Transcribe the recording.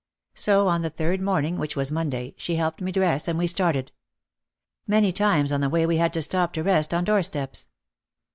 So on the third morning, which was Monday, she helped me dress and we started. Many times on the way we had to stop to rest on door steps.